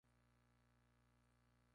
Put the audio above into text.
Las antenas en su vista ventral son blancas.